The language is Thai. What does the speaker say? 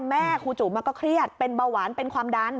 แม่ครูจุมันก็เครียดเป็นเบาหวานเป็นความดัน